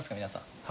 皆さん。